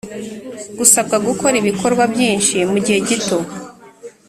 Gusabwa gukora ibikorwa byinshi mu gihe gito